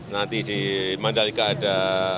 nanti di mandalika ada